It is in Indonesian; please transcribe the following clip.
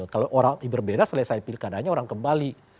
kalau orang berbeda selesai pilkadanya orang kembali